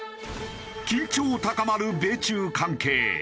緊張高まる米中関係。